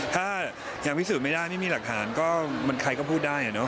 ถ้ายังพิสูจน์ไม่ได้ไม่มีหลักฐานก็มันใครก็พูดได้